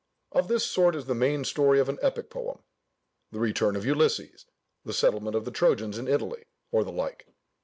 Of this sort is the main story of an epic poem, "The return of Ulysses, the settlement of the Trojans in Italy," or the like.